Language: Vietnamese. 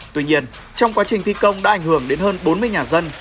tuy nhiên trong quá trình thi công đã ảnh hưởng đến hơn bốn mươi nhà dân